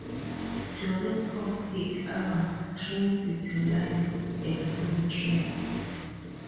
During off-peak hours, trains utilized a single track.